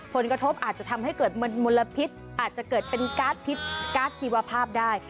ผลกระทบอาจจะทำให้เกิดมลพิษอาจจะเกิดเป็นการ์ดพิษการ์ดชีวภาพได้